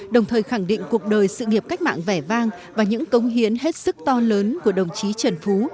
đồng thời khẳng định cuộc đời sự nghiệp cách mạng vẻ vang và những cống hiến hết sức to lớn của đồng chí trần phú